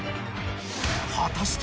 ［果たして］